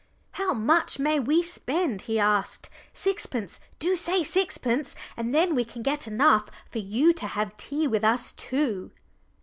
"How much may we spend?" he asked. "Sixpence do say sixpence, and then we can get enough for you to have tea with us too."